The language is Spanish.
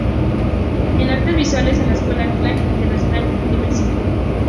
En artes visuales en la escuela Atlantic International University.